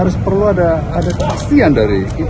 harus perlu ada kepastian dari kita